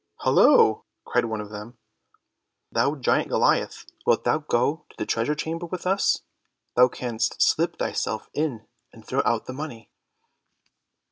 "Hollo," cried one of them, "thou giant Goliath, wilt thou go to the treasure chamber with us? Thou canst slip thyself in and throw out the money."